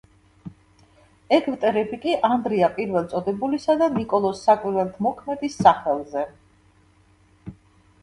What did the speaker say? ეგვტერები კი ანდრია პირველწოდებულისა და ნიკოლოზ საკვირველთმოქმედის სახელზე.